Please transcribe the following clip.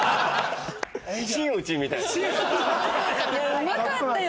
うまかったよ。